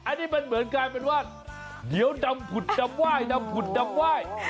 อันนี้มันเหมือนกลายเป็นว่าเดี๋ยวดำผุดดำไหว้ดำผุดดำไหว้